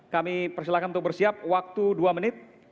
kami persilahkan untuk bersiap waktu dua menit